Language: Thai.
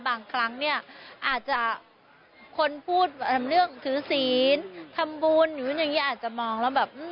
บางครั้งเนี่ยอาจจะคนพูดเรื่องถือศีลทำบุญหรืออย่างนี้อาจจะมองแล้วแบบ